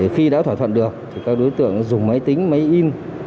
khi đã thỏa thuận được thì các đối tượng dùng máy tính máy in